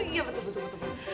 iya betul betul betul